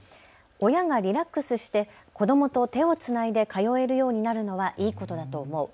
親がリラックスして子どもと手をつないで通えるようになるのはいいことだと思う。